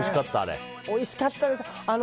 おいしかったです。